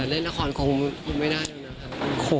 เล่นละครคงไม่น่าดีนะครับ